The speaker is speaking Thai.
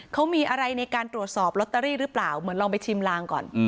เขามีอะไรในการตรวจสอบลอตเตอรี่หรือเปล่าเหมือนลองไปชิมลางก่อน